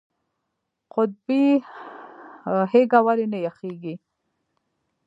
قطبي هیږه ولې نه یخیږي؟